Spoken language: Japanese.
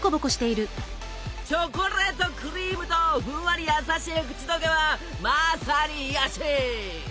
チョコレートクリームとふんわり優しい口どけはまさに癒やし！